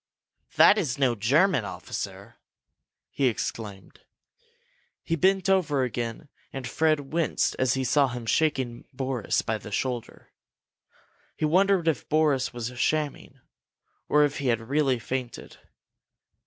"That is no German officer!" he exclaimed. He bent over again and Fred winced as he saw him shaking Boris by the shoulder. He wondered if Boris was shamming, or if he had really fainted.